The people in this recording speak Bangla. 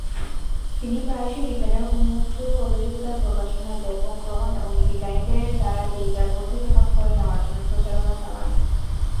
তিনি প্রায়শই বিজ্ঞানের উন্মুক্ত প্রবেশাধিকার প্রকাশনার ব্যাপক গ্রহণ এবং বিজ্ঞানীদের দ্বারা ডেটা বর্ধিত ভাগ করে নেওয়ার জন্য প্রচারণা চালান।